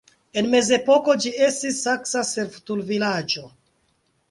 En mezepoko ĝi estis saksa servutulvilaĝo.